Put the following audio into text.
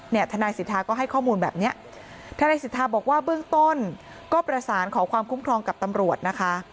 ทนายสิทธาก็ให้ข้อมูลแบบเนี้ยทนายสิทธาบอกว่าเบื้องต้นก็ประสานขอความคุ้มครองกับตำรวจนะคะ